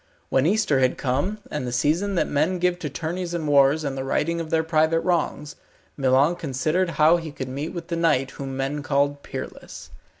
When Easter had come, and the season that men give to tourneys and wars and the righting of their private wrongs, Milon considered how he could meet with the knight whom men called Peerless.